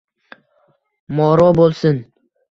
Moro bo'lsin!